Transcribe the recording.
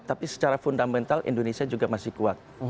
tapi secara fundamental indonesia juga masih kuat